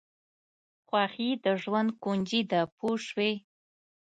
خوښي د ژوند کونجي ده پوه شوې!.